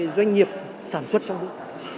doanh nghiệp sản xuất trong nước